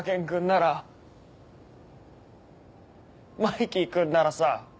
マイキー君ならさ